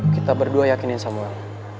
kita berdua yakinin samuel